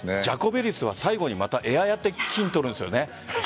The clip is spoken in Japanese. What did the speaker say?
ジャコベリスは最後にエアをやって金とるんですよね。